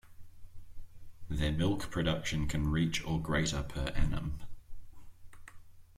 Their milk production can reach or greater per annum.